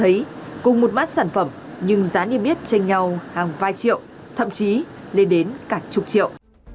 thấy cùng một bát sản phẩm nhưng giá niêm yết tranh nhau hàng vài triệu thậm chí lên đến cả chục triệu